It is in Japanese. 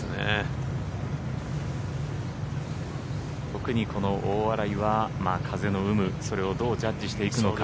特にこの大洗は風の有無それをどうジャッジしていくのか。